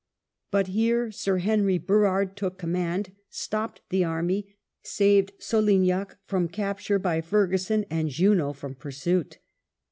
But here Sir Harry Burrard took command, stopped the army, saved Solignac from WELLINGTON capture by Ferguson and Junot from pursuit.